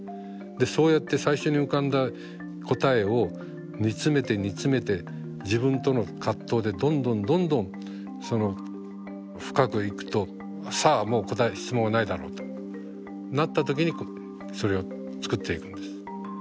そうやって最初に浮かんだ答えを煮詰めて煮詰めて自分との葛藤でどんどんどんどんその深くいくと「さあもう質問はないだろう」となった時にそれを作っていくんです。